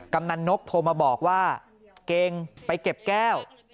กำนันนกโทรมาบอกว่าเก่งไปเก็บแก้ว